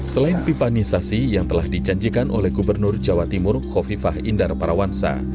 selain pipanisasi yang telah dijanjikan oleh gubernur jawa timur kofifah indar parawansa